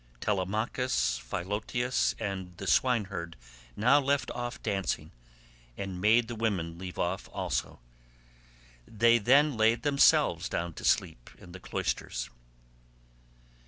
Telemachus, Philoetius, and the swineherd now left off dancing, and made the women leave off also. They then laid themselves down to sleep in the cloisters.